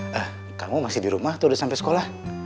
eh eh kamu masih di rumah atau udah sampe sekolah